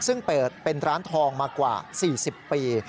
ซึ่งเปิดเป็นร้านทองมากว่า๔๐ปี